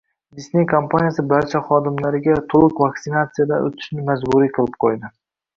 Disney kompaniyasi barcha xodimlariga to‘liq vaksinatsiyadan o‘tishni majburiy qilib qo‘ydi